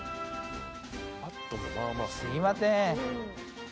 すみません。